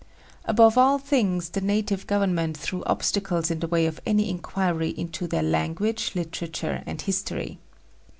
Above all things, the native Government threw obstacles in the way of any inquiry into their language, literature, and history.